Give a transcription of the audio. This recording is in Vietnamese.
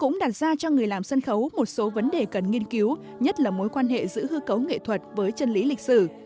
cũng đặt ra cho người làm sân khấu một số vấn đề cần nghiên cứu nhất là mối quan hệ giữa hư cấu nghệ thuật với chân lý lịch sử